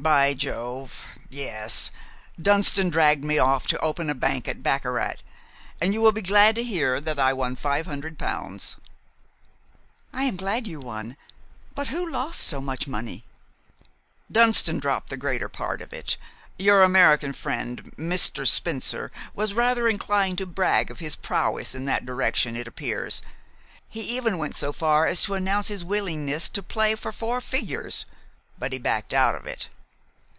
"By Jove! yes! Dunston dragged me off to open a bank at baccarat, and you will be glad to hear that I won five hundred pounds." "I am glad you won; but who lost so much money?" "Dunston dropped the greater part of it. Your American friend, Mr. Spencer, was rather inclined to brag of his prowess in that direction, it appears. He even went so far as to announce his willingness to play for four figures; but he backed out of it."